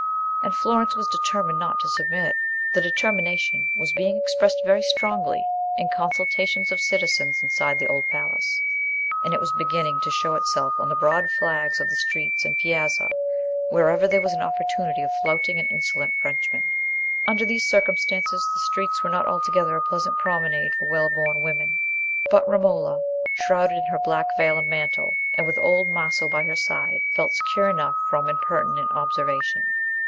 And Florence was determined not to submit. The determination was being expressed very strongly in consultations of citizens inside the Old Palace, and it was beginning to show itself on the broad flags of the streets and piazza wherever there was an opportunity of flouting an insolent Frenchman. Under these circumstances the streets were not altogether a pleasant promenade for well born women; but Romola, shrouded in her black veil and mantle, and with old Maso by her side, felt secure enough from impertinent observation.